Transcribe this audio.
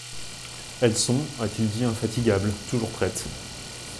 «Elles sont, a-t-il dit, infatigables, toujours prêtes.